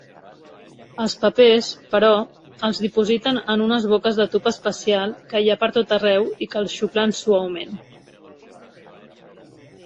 Els papers, però, els dipositen en unes boques de tub especial que hi ha pertot arreu i que els xuclen suaument.